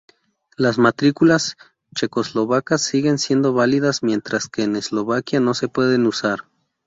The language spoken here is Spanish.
Las matrículas checoslovacas siguen siendo válidas, mientras que en Eslovaquia no se pueden usar.